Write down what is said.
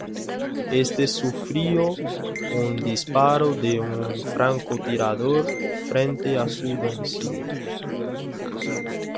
Este sufrió un disparo de un francotirador frente a su domicilio.